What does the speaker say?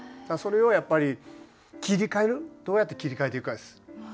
それをやっぱり切り替えるどうやって切り替えていくかです。